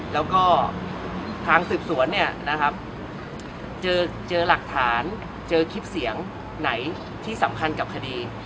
และทางสืบสวนเจอหลักฐานเจอคลิปเสียงไหนที่สำคัญกับคดี